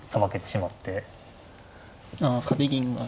あ壁銀が。